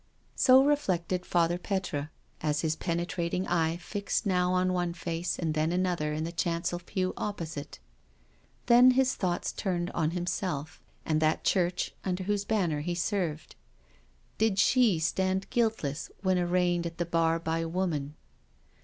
So reflected Father Petre as his penetrating eye fixed now on one face and then another in the chancel pew opposite. Then his thoughts turned on himself, and that Church under whose banner he served. Did She stand guiltless when arraigned at the bar by Woman?